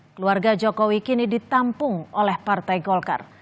keluarga jokowi kini ditampung oleh partai golkar